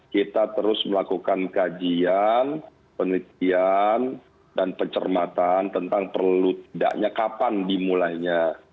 kita terus melakukan kajian penelitian dan pencermatan tentang perlu tidaknya kapan dimulainya